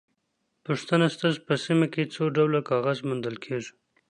پوښتنه: ستاسو په سیمه کې څو ډوله کاغذ موندل کېږي؟